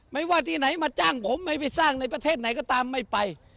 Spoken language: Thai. ไม่ว่าที่ไหนมาจ้างผมไม่ไปสร้างในประเทศไหนก็ตามไม่ไป